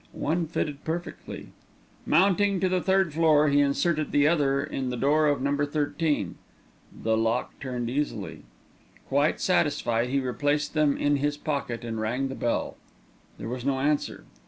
One fitted perfectly. Mounting to the third floor, he inserted the other in the door of No. 13. The lock turned easily. Quite satisfied, he replaced them in his pocket and rang the bell. There was no answer.